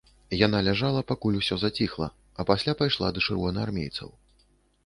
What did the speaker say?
Яна ляжала, пакуль усё заціхла, і пасля пайшла да чырвонаармейцаў.